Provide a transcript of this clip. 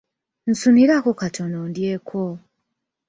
Nsuniraako katono ndyeko.